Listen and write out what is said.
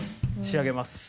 仕上げます。